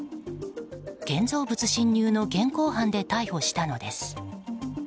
建造物侵入の現行犯で逮捕したのです。